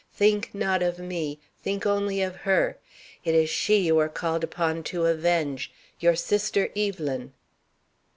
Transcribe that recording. Think not of me, think only of her. It is she you are called upon to avenge; your sister, Evelyn."